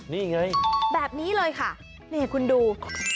นี่ไงแบบนี้เลยค่ะนี่คุณดู